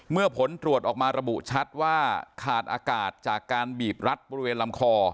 ผลตรวจออกมาระบุชัดว่าขาดอากาศจากการบีบรัดบริเวณลำคอ